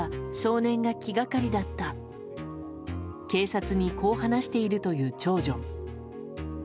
警察にこう話しているという長女。